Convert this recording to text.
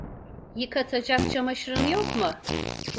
Yıkatacak çamaşırın yok mu?